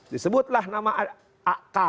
disebutlah nama ak